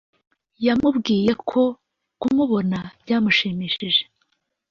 yamubwiye ko kumubona byamushimishije